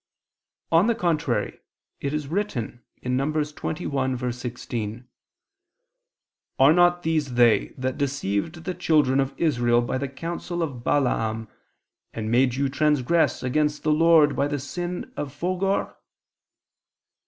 On the contrary, It is written (Num. 21:16): "Are not these they, that deceived the children of Israel by the counsel of Balaam, and made you transgress against the Lord by the sin of Phogor?"